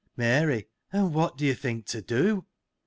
Mary. — And what do you think to do